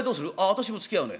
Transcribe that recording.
「私もつきあうね」。